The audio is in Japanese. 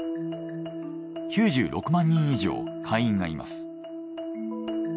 ９６万人以上会員がいます。